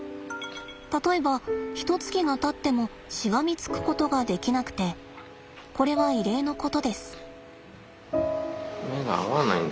例えばひとつきがたってもしがみつくことができなくてこれは異例のことです。